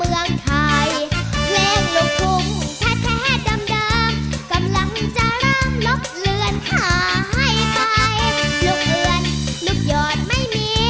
ถือลูกหลวนหลวนคนคนลูกธุงทางบานน้องในกรุงทั่วฟ้าเมืองไทย